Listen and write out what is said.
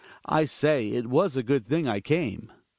I say, it was a good thing I came.